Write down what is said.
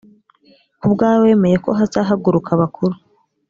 ku bwawe wemeye ko hazahaguruka abakuru